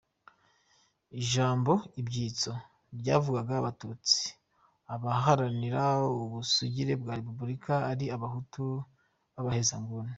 Ijambo ibyitso ryavugaga Abatutsi, abaharanira ubusugire bwa Repubulika ari abahutu b’abahezanguni.